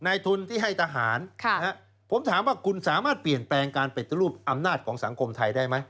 ในทุนที่ให้ทหารผมถามว่าคุณสามารถเปลี่ยนแปลงการปฏิรูปอำนาจของสังคมไทยได้ไหม